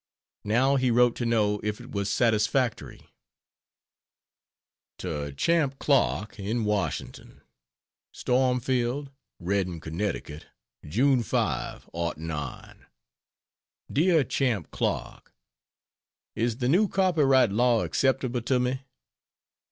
Now he wrote to know if it was satisfactory. To Champ Clark, in Washington: STORMFIELD, REDDING, CONN., June 5, '09. DEAR CHAMP CLARK Is the new copyright law acceptable to me?